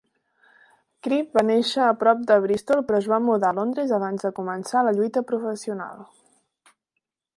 Cribb va néixer a prop de Bristol però es va mudar a Londres abans de començar la lluita professional.